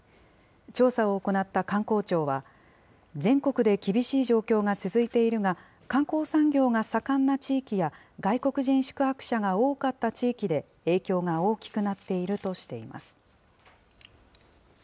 調査を行った観光庁は、全国で厳しい状況が続いているが、観光産業が盛んな地域や、外国人宿泊者が多かった地域で、影響が大きくなっているとしています。